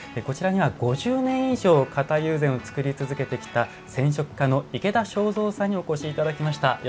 こちらには５０年以上型友禅を作り続けてきた染色家の池田章三さんにお越しいただきました。